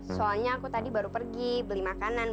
soalnya aku tadi baru pergi beli makanan